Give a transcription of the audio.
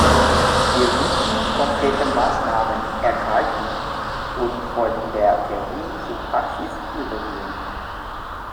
Wir müssen konkrete Maßnahmen ergreifen und von der Theorie zur Praxis übergehen.